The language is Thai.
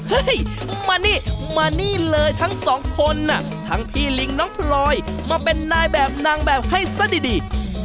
มานี่มานี่เลยทั้งสองคนน่ะทั้งพี่ลิงน้องพลอยมาเป็นนายแบบนางแบบให้ซะดี